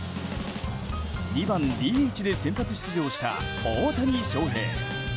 ２番ＤＨで先発出場した大谷翔平。